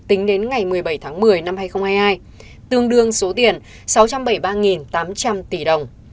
tính đến ngày một mươi bảy tháng một mươi năm hai nghìn hai mươi hai tương đương số tiền sáu trăm bảy mươi ba tám trăm linh tỷ đồng